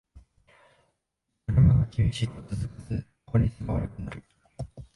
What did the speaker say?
ノルマが厳しいと続かず効率が悪くなる